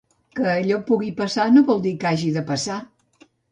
Que allò pugui passar no vol dir que hagi de passar.